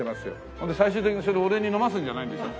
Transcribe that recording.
それで最終的にそれ俺に飲ますんじゃないんでしょ？